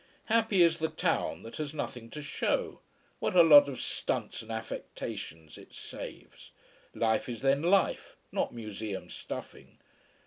Happy is the town that has nothing to show. What a lot of stunts and affectations it saves! Life is then life, not museum stuffing.